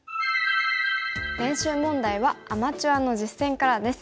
練習問題はアマチュアの実戦からです。